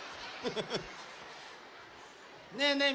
ねえねえ